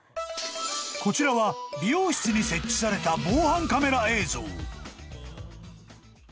［こちらは美容室に設置された防犯カメラ映像］